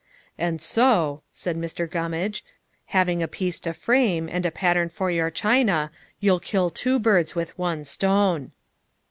"And so," said Mr. Gummage, "having a piece to frame, and a pattern for your china, you'll kill two birds with one stone."